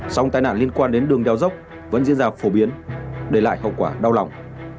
song tai nạn liên quan đến đường đeo dốc vẫn diễn ra phổ biến để lại hậu quả đau lòng